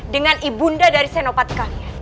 dengan ibunda dari senopat kah